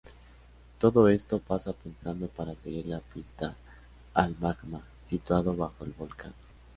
Todo esto está pensado para seguir la pista al magma situado bajo el volcán.